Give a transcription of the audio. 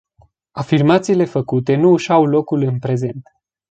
Afirmațiile făcute nu își au locul în prezent.